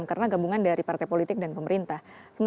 karena gabungan dari partai politik dan pemerintah